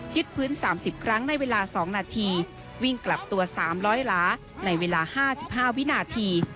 พื้น๓๐ครั้งในเวลา๒นาทีวิ่งกลับตัว๓๐๐ล้าในเวลา๕๕วินาที